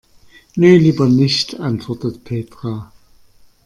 Nö, lieber nicht, antwortet Petra.